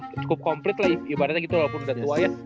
cukup komplit lah ibaratnya gitu walaupun udah tua ya